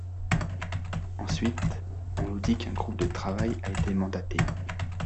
Ensuite, on nous dit qu’un groupe de travail a été mandaté.